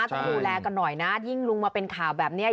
ต้องดูแลกันหน่อยนะยิ่งลุงมาเป็นข่าวแบบนี้